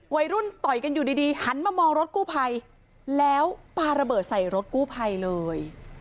วัยรุ่นต่อยกันอยู่ดีหันมามองรถกู้ภัยแล้วปลาระเบิดใส่รถกู้ภัยเลย